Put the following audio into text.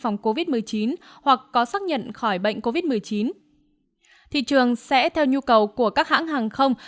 phòng covid một mươi chín hoặc có xác nhận khỏi bệnh covid một mươi chín thị trường sẽ theo nhu cầu của các hãng hàng không